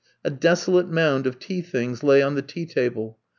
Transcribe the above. A desolate mound of tea things lay on the tea table.